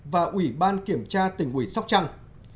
và ủy ban kiểm tra tỉnh ủy sóc trăng